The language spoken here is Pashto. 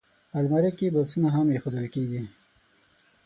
الماري کې بکسونه هم ایښودل کېږي